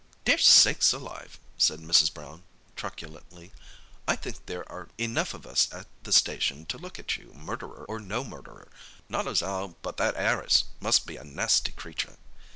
"Dear sakes alive!" said Mrs. Brown, truculently. "I think there are enough of us at the station to look after you, murderer or no murderer—not as 'ow but that 'Arris must be a nasty creature!